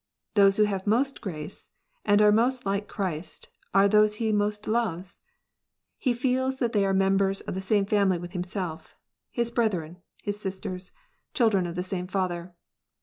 Those who have most grace, and are most like Christ, are those he most loves. He feels that they are members of the same family with himself, his brethren, his sisters, children of the same Father.